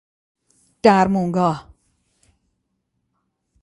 درمانگاه